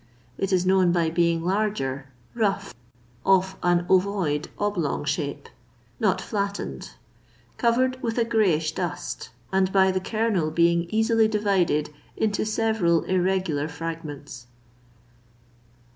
It is known by being larger, rough, of an ovoid, oblong shape, not flattened, covered with a greyish dust, and by the kernel being easily divided into several irregular fragments.